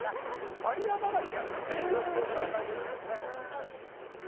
バリアだらけやったねよくよく考えてみたらね。